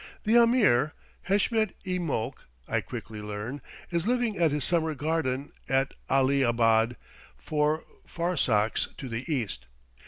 The Ameer, Heshmet i Molk, I quickly learn, is living at his summer garden at Ali abad, four farsakhs to the east.